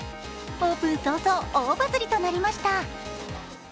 オープン早々大バズりとなりました。